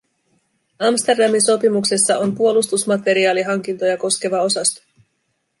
Amsterdamin sopimuksessa on puolustusmateriaalihankintoja koskeva osasto.